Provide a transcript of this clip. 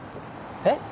えっ？